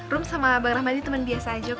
rum sama bang rahmadi temen biasa aja kok mak